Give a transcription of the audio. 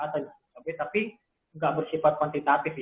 tapi tidak bersifat kuantitatif ya